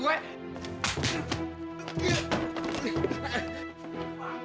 jangan jangan jangan